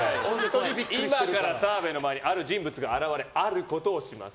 今から澤部の前にある人物が現れあることをします。